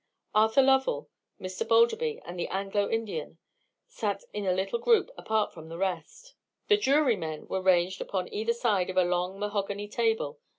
Arthur Lovell, Mr. Balderby, and the Anglo Indian sat in a little group apart from the rest. The jurymen were ranged upon either side of a long mahogany table.